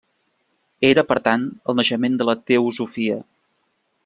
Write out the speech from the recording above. Era, per tant, el naixement de la teosofia.